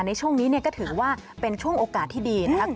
ในช่วงนี้ก็ถือว่าเป็นช่วงโอกาสที่ดีนะครับ